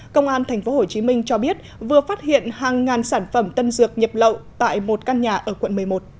công an tp hcm cho biết vừa phát hiện hàng ngàn sản phẩm tân dược nhập lậu tại một căn nhà ở quận một mươi một